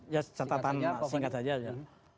ya catatan singkat saja